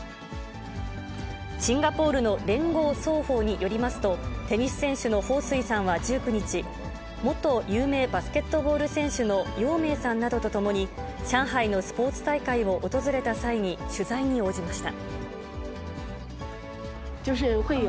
シンガポールの聯合早報によりますと、テニス選手の彭帥さんは１９日、元有名バスケットボール選手の姚明さんなどと共に、上海のスポーツ大会を訪れた際に取材に応じました。